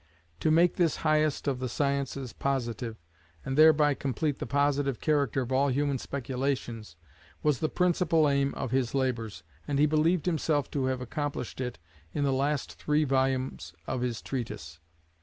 To make this highest of the sciences positive, and thereby complete the positive character of all human speculations, was the principal aim of his labours, and he believed himself to have accomplished it in the last three volumes of his Treatise.